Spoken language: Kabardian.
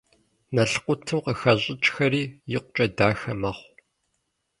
Налкъутым къыхащӏьӀкӀхэри икъукӀэ дахэ мэхъу.